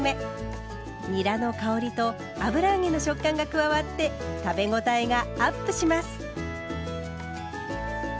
にらの香りと油揚げの食感が加わって食べごたえがアップします。